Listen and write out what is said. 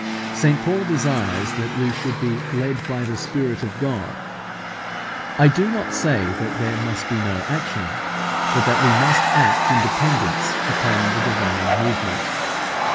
St Paul desires that we should be led by the Spirit of God (Rom. viii. 14). I do not say that there must be no action, but that we must act in dependence upon the divine movement.